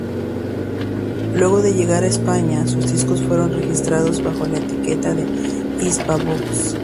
Luego de llegar a España sus discos fueron registrados bajo la etiqueta de Hispavox.